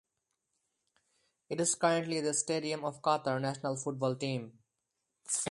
It is currently the stadium of Qatar national football team.